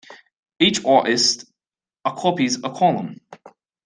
Each artist occupies a column.